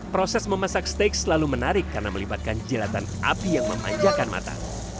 proses memasak steak selalu menarik karena melibatkan jelatan api yang memanjakan mata